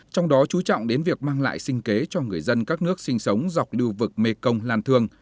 trong đó chú trọng đến việc mang lại sinh kế cho người dân các nước sinh sống dọc lưu vực mekong lan thương